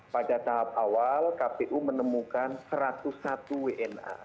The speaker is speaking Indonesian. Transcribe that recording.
pada tahap awal kpu menemukan satu ratus satu wna